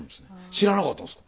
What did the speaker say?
知らなかったんですか。